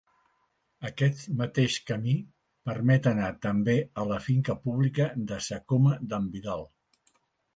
Aquest mateix camí permet anar també a la finca pública de Sa Coma d'en Vidal.